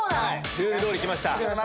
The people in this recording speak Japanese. ルール通りきました。